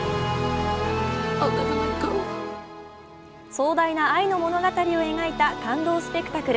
壮大な愛の物語を描いた感動スペクタクル。